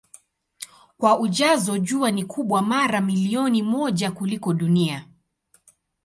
Kwa ujazo Jua ni kubwa mara milioni moja kuliko Dunia.